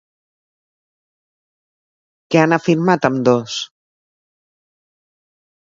Què han afirmat ambdós?